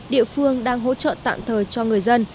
địa phương đang hỗ trợ tạm thời cho người dân